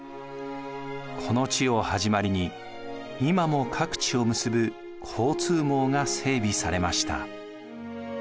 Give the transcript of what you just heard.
この地を始まりに今も各地を結ぶ交通網が整備されました。